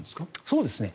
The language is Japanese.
そうですね。